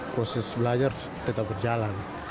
proses belajar tetap berjalan